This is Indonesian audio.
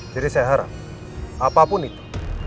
jadi saya harap apapun itu